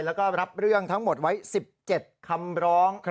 แล้วก็รับเรื่องทั้งหมดไว้๑๗คำร้อง